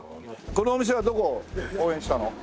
このお店はどこを応援したの？